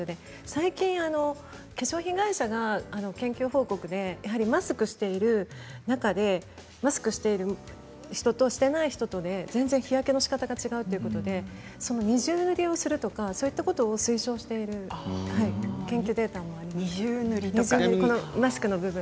最近、化粧品会社の研究報告でマスクをしている中でマスクをしている人としていない人で全然日焼けのしかたが違うということで二重塗りを推奨している研究データもあります。